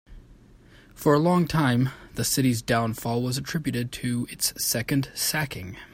For a long time, the city's downfall was attributed to its second sacking.